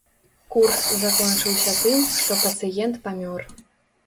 Курс закончыўся тым, што пацыент памёр.